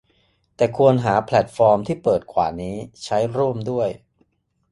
แต่ควรหาแพลตฟอร์มที่เปิดกว่านี้ใช้ร่วมด้วย